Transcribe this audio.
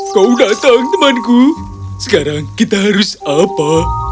kau datang temanku sekarang kita harus apa